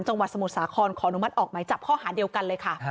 สมุทรสาครขออนุมัติออกไหมจับข้อหาเดียวกันเลยค่ะ